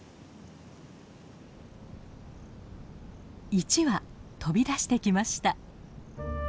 １羽飛び出してきました。